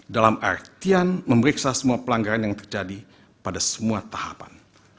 dalam artian memeriksa semua pelanggaran yang terjadi pada semua tahapan